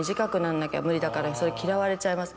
「それ嫌われちゃいます」